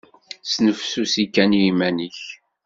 Snefsusi kan iman-nnek.